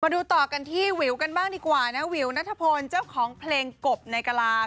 ดูต่อกันที่วิวกันบ้างดีกว่านะวิวนัทพลเจ้าของเพลงกบในกะลา